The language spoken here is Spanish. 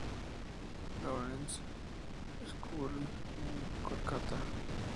Lawrence School en Kolkata.